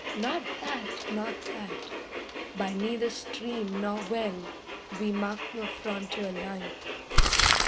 'Not that! Not that! By neither stream nor well We mark the frontier line.